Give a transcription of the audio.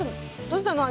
どうしたの？